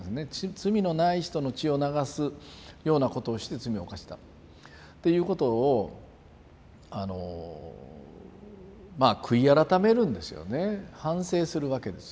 罪のない人の血を流すようなことをして罪を犯したっていうことをまあ悔い改めるんですよね反省するわけですよ。